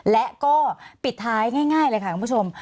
และก็ปิดท้ายง่ายเลยค่ะคุณผู้ชม